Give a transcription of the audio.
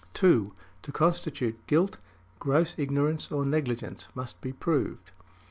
2. To constitute guilt, gross ignorance or negligence must be proved.